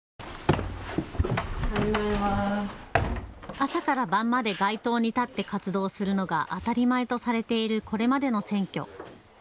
朝から晩まで街頭に立って活動するのが当たり前とされているこれまでの選挙。